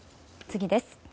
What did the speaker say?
次です。